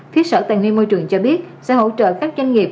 phía sở tài nguyên môi trường cho biết sẽ hỗ trợ các doanh nghiệp